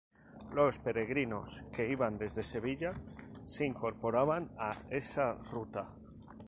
Los peregrinos que iban desde Sevilla se incorporaban a esa ruta.